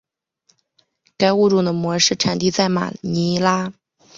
该物种的模式产地在马尼拉。